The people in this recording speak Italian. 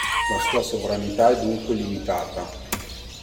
La sua sovranità è dunque limitata.